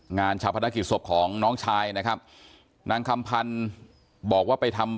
งานชาวพนักกิจศพของน้องชายนะครับนางคำพันธ์บอกว่าไปทำ